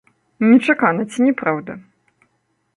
Нечакана, ці не праўда?